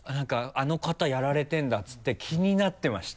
「あの方やられてるんだ」っていって気になってました。